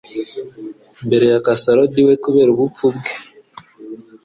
mbere ya Casalodi we kubera ubupfu bwe